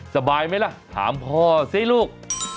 สบายไหมล่ะถามพ่อสิลูก